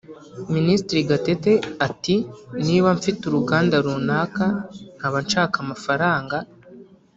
Minisitiri Gatete ati “niba mfite uruganda runaka nkaba nshaka amafaranga